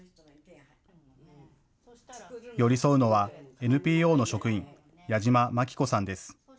寄り添うのはＮＰＯの職員、矢嶋真紀子さんです。